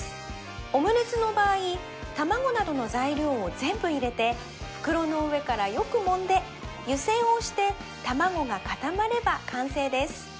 オムレツの場合卵などの材料を全部入れて袋の上からよくもんで湯せんをして卵が固まれば完成です